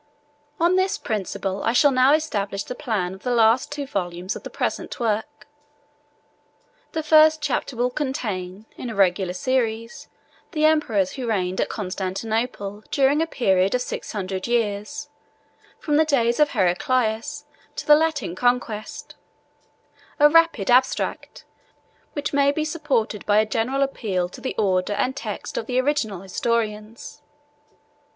On this principle I shall now establish the plan of the last two volumes of the present work. The first chapter will contain, in a regular series, the emperors who reigned at Constantinople during a period of six hundred years, from the days of Heraclius to the Latin conquest; a rapid abstract, which may be supported by a general appeal to the order and text of the original historians.